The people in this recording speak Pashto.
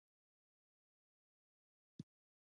کوه بند ولسوالۍ غرنۍ ده؟